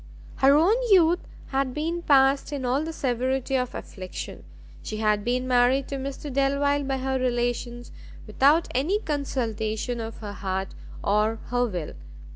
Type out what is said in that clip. Her own youth had been passed in all the severity of affliction; she had been married to Mr Delvile by her relations, without any consultation of her heart or her will.